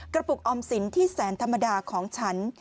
ปุกออมสินที่แสนธรรมดาของฉัน